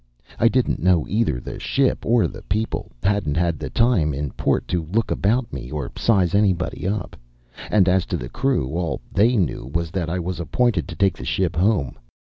I didn't know either the ship or the people. Hadn't had the time in port to look about me or size anybody up. And as to the crew, all they knew was that I was appointed to take the ship home.